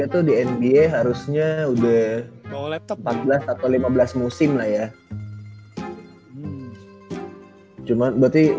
tiga puluh tiga tuh di nba harusnya udah empat belas atau lima belas musim lah ya